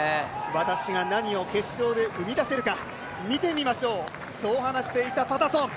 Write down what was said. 私が何を決勝で生み出せるのか見てみましょう、そう話していたパタソン。